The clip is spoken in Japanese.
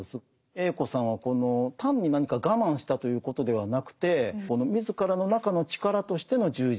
Ａ子さんはこの単に何か我慢したということではなくて自らの中の力としての充実